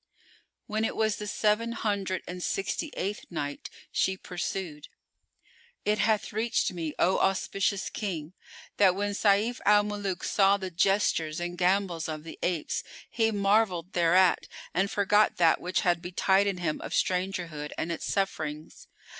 When it was the Seven Hundred and Sixty eighth Night, She pursued, It hath reached me, O auspicious King, that when Sayf al Muluk saw the gestures and gambols of the apes, he marvelled thereat and forgot that which had betided him of strangerhood and its sufferings.